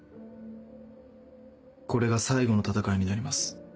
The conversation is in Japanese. これが最後の戦いになります。